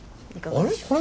あれ？